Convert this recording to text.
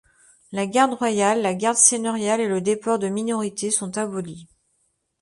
La garde royale, la garde seigneuriale et le déport de minorité sont abolis.